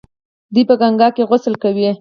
دوی په ګنګا کې غسل کوي.